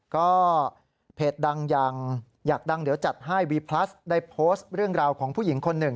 ก็เพจดังยังอยากดังเดี๋ยวจัดให้วีพลัสได้โพสต์เรื่องราวของผู้หญิงคนหนึ่ง